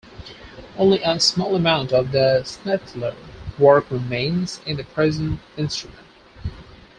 Only a small amount of the Snetzler work remains in the present instrument.